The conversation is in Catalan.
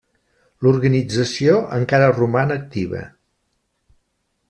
L'organització encara roman activa.